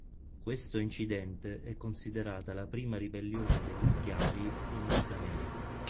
Questo incidente è considerata la prima ribellione degli schiavi in Nord America.